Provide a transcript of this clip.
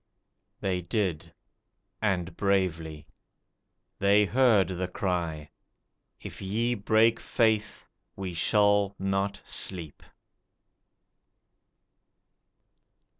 They did and bravely. They heard the cry "If ye break faith, we shall not sleep."